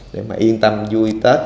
để mà yên tâm vui tết